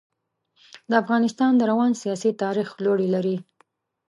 د افغانستان د روان سیاسي تاریخ لوړې لري.